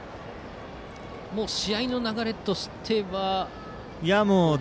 試合の流れとしては。